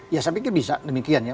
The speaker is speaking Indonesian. ya saya pikir bisa demikian ya